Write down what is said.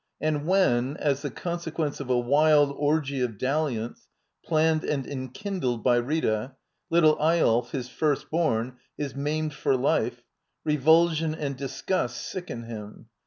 And when, as the ccmsequence of a wild orgy of dalliance, planned and enkindled by Rita, Little Eyolf, his first born, is maimed for life, revulsion and disgust sicken him.